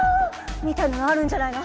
みたいなのあるんじゃないの？